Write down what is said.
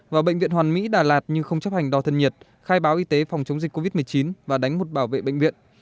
vào bệnh viện hoàn mỹ đà lạt như không chấp hành đo thân nhiệt khai báo y tế phòng chống dịch covid một mươi chín và đánh một bảo vệ bệnh viện